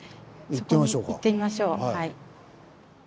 行ってみましょうか。